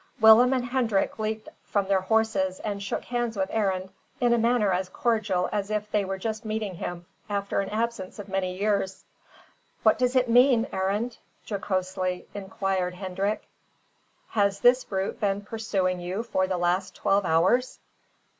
Willem and Hendrik leaped from their horses and shook hands with Arend in a manner as cordial as if they were just meeting him after an absence of many years. "What does it mean, Arend?" jocosely inquired Hendrik. "Has this brute been pursuing you for the last twelve hours?"